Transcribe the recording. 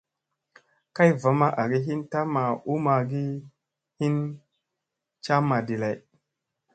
Kay va ma agi hin tamma u ma gi hin camma ɗi lay.